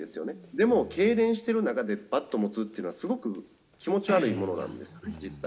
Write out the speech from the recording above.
でも、けいれんしてる中でバット持つっていうのは、すごく気持ち悪いものなんです、実際。